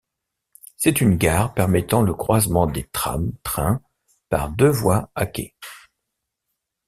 C'est une gare permettant le croisement des tram trains par deux voies à quai.